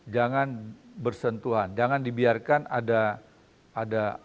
jangan bersentuhan jangan dibiarkan ada